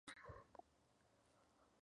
Utricularia subg.